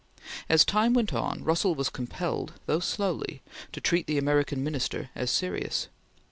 As time went on, Russell was compelled, though slowly, to treat the American Minister as serious.